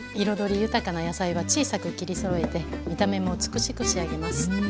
彩り豊かな野菜は小さく切りそろえて見た目も美しく仕上げます。